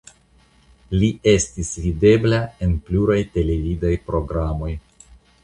Li estis videbla en pluraj televidaj programoj.